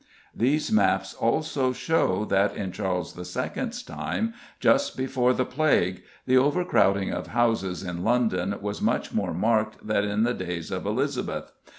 These maps also show that in Charles II.'s time, just before the plague, the overcrowding of houses in London was much more marked than in the days of Elizabeth.